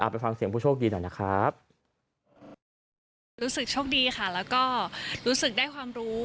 ไปฟังเสียงผู้โชคดีหน่อยนะครับรู้สึกโชคดีค่ะแล้วก็รู้สึกได้ความรู้